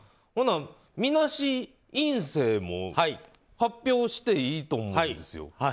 それなら、みなし陰性も発表していいと思うんですよ。